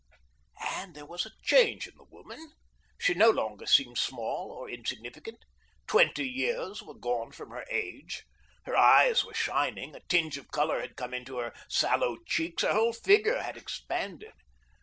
And there was a change in the woman. She no longer seemed small or insignificant. Twenty years were gone from her age. Her eyes were shining, a tinge of color had come into her sallow cheeks, her whole figure had expanded.